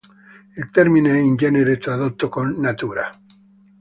Il termine è in genere tradotto con 'natura'.